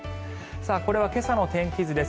これは今朝の天気図です。